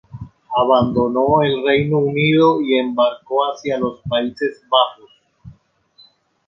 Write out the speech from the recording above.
Abandonó el Reino Unido y embarcó hacia los Países Bajos.